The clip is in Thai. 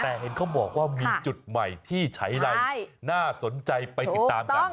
แต่เห็นเขาบอกว่ามีจุดใหม่ที่ใช้ไรน่าสนใจไปติดตามกัน